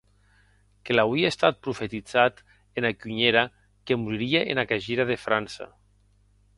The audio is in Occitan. Que l'auie estat profetizat ena cunhèra que moririe ena cagira de França.